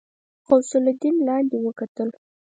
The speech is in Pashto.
غوث الدين لاندې وکتل.